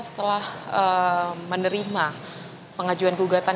setelah menerima pengajuan gugatan